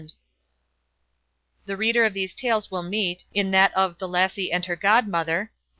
The reader of these Tales will meet, in that of "the Lassie and her Godmother", No.